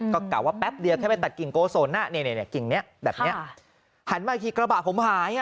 ก็กล่าวว่าแป๊บเดียวแค่ไปตัดกิ่งโกสนน่ะเนี่ยเนี่ยเนี่ยกิ่งเนี้ยแบบเนี้ยค่ะหันมาอีกทีกระบะผมหายอ่ะ